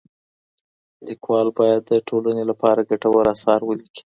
ليکوال بايد د ټولني لپاره ګټور اثار وليکي.